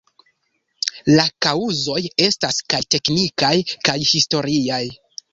La kaŭzoj estas kaj teknikaj kaj historiaj.